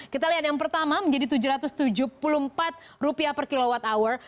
kita lihat yang pertama menjadi tujuh ratus tujuh puluh empat per kilowatt hour